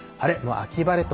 秋晴れと。